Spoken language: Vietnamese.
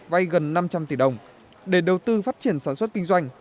vay gần năm trăm linh tỷ đồng để đầu tư phát triển sản xuất kinh doanh